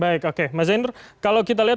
baik oke mas zainur kalau kita lihat